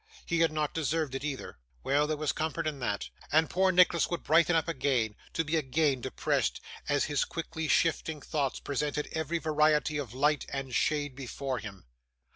He had not deserved it either. Well, there was comfort in that; and poor Nicholas would brighten up again, to be again depressed, as his quickly shifting thoughts presented every variety of light and shade before him.